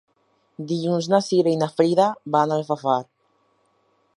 Dilluns na Cira i na Frida van a Alfafar.